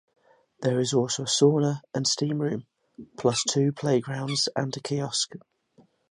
There is also a sauna and steamroom, plus two playgrounds and a kiosk.